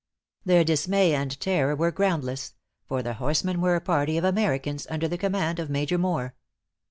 Their dismay and terror were groundless; for the horsemen were a party of Americans, under the command of Major Moore.